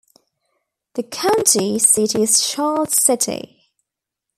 The county seat is Charles City.